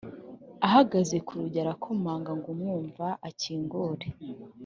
ahagaze kurugi arakomanga ngo umwumva akingure